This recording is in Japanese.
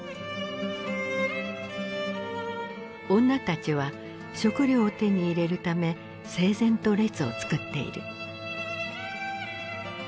女たちは食料を手に入れるため整然と列を作っている。